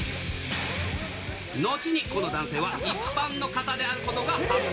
後にこの男性は一般の方であることが判明。